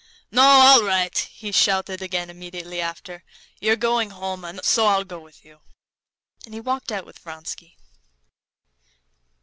"No, all right," he shouted again immediately after. "You're going home, so I'll go with you." And he walked out with Vronsky.